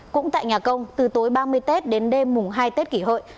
cũng tại nhà công từ tối ba mươi tết đến đêm mùng hai tết kỷ hợi